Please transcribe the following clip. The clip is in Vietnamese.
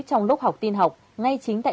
trong lúc học tin học ngay chính tại